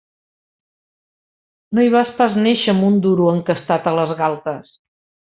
No hi va pas néixer amb un duro encastat a les galtes.